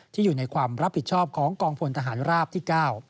อยู่ในความรับผิดชอบของกองพลทหารราบที่๙